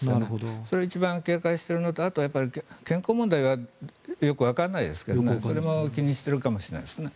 それを一番警戒しているのとあと、健康問題がよくわからないですけれどもそれも気にしているかもしれないですね。